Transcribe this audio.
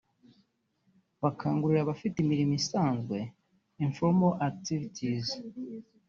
bakangurira abafite imirimo isanzwe (informal activities)